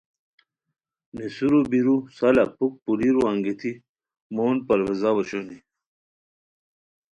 نیسرو بیرو سالہ پُھک پولیرو انگیتی مون پرویزاؤ اوشونی